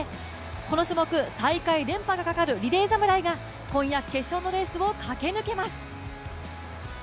この種目、大会連覇がかかるリレー侍が、今夜決勝のレースを駆け抜けます。